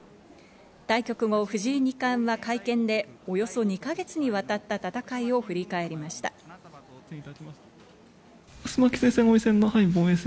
対局後、藤井二冠は会見でおよそ２か月にわたった戦いを振り返りました。